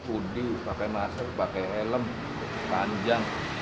udi pake masker pake elem panjang